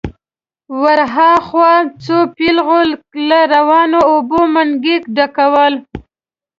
ور هاخوا څو پېغلو له روانو اوبو منګي ډکول.